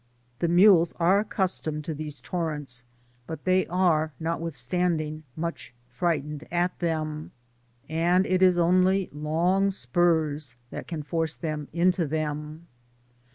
The mules are accustomed to these torrents, but they are, notwithstanding, much frightened, and it is only long spurs that can force them into them.